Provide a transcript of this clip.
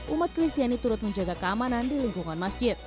umat kristiani turut menjaga keamanan di lingkungan masjid